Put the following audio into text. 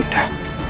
kau tidak tahu